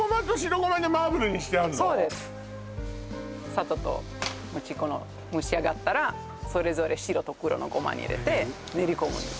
砂糖と餅粉の蒸し上がったらそれぞれ白と黒のゴマに入れて練り込むんです